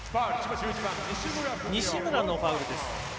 西村のファウルです。